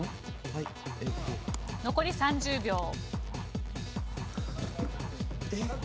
残り３０秒。